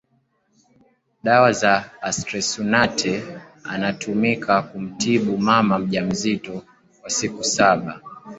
dawa ya artesunate anatumika kumtibu mama mjamzito kwa siku saba